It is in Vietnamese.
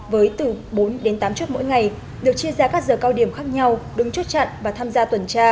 với từ bốn đến tám chốt mỗi ngày được chia ra các giờ cao điểm khác nhau đứng chốt chặn và tham gia tuần tra